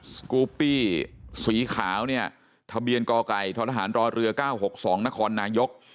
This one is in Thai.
สกูปปี้สีขาวเนี่ยทะเบียนกไก่ททหารรอเรือ๙๖๒นครนายก